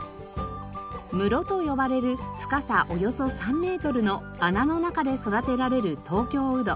室と呼ばれる深さおよそ３メートルの穴の中で育てられる東京ウド。